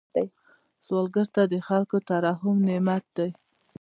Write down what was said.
سوالګر ته د خلکو ترحم نعمت دی